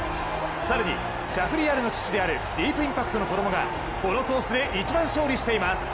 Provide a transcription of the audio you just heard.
更に、シャフリヤールの父であるディープインパクトの子供がこのコースで一番勝利しています。